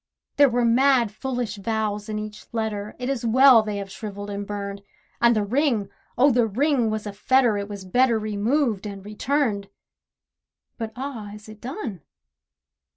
There were mad foolish vows in each letter, It is well they have shrivelled and burned, And the ring! oh, the ring was a fetter, It was better removed and returned. But ah, is it done?